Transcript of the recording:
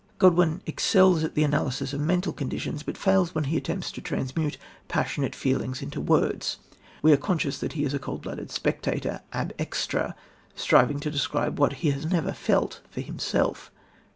Godwin excels in the analysis of mental conditions, but fails when he attempts to transmute passionate feeling into words. We are conscious that he is a cold blooded spectator ab extra striving to describe what he has never felt for himself.